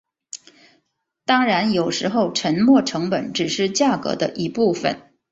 当然有时候沉没成本只是价格的一部分。